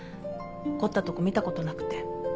怒ったとこ見たことなくて。